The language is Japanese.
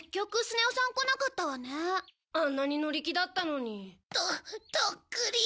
あんなに乗り気だったのに。ととっくり。